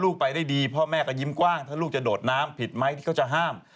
ไปได้ดีพ่อแม่ก็ยิ้มกว้างถ้าลูกจะโดดน้ำผิดไหมที่เขาจะห้าม